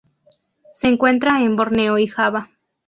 Se encuentra en Borneo y Java.